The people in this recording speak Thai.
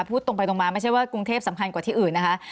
พูดตรงไปตรงมาไม่ใช่ว่ากรุงเทพสำคัญกว่าที่อื่นนะคะ